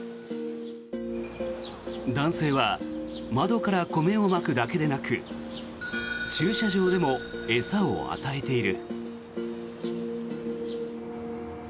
男性は窓から米をまくだけでなく駐車場でも餌を与えている。